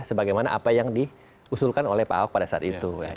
sebagaimana apa yang diusulkan oleh pak ahok pada saat itu